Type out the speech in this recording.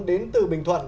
đến từ bình thuận